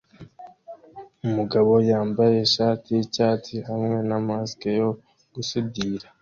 Umugabo yambaye ishati yicyatsi hamwe na mask yo gusudira